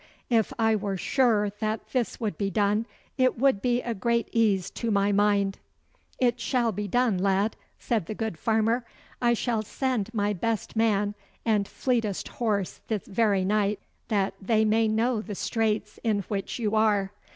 If I were sure that this would be done, it would be a great ease to my mind.' 'It shall be done, lad,' said the good farmer. 'I shall send my best man and fleetest horse this very night, that they may know the straits in which you are.